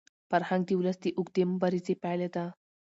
فرهنګ د ولس د اوږدې مبارزې پایله ده.